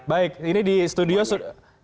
baik ini di studio